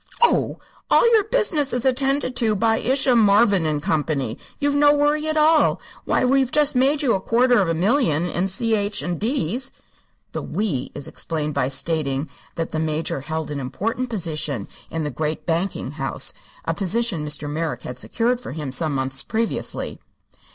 "Phoo! All your business is attended to by Isham, Marvin & Co. You've no worry at all. Why, we've just made you a quarter of a million in C.H. & D's." The "we" is explained by stating that the Major held an important position in the great banking house a position Mr. Merrick had secured for him some months previously.